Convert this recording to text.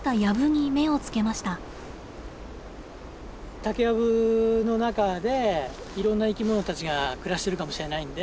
竹やぶの中でいろんな生きものたちが暮らしているかもしれないんで。